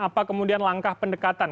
apa kemudian langkah pendekatan